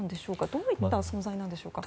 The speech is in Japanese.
どういった存在なんでしょうか。